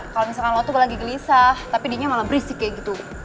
kalau misalkan waktu lagi gelisah tapi dia malah berisik kayak gitu